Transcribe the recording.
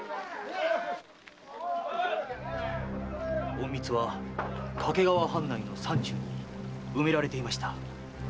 隠密は掛川藩内の山中に埋められていました。